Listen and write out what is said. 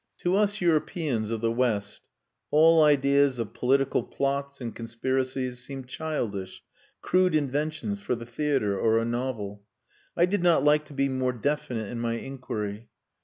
To us Europeans of the West, all ideas of political plots and conspiracies seem childish, crude inventions for the theatre or a novel. I did not like to be more definite in my inquiry.